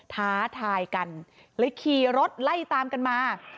ท้าทายกันเลยขี่รถไล่ตามกันมา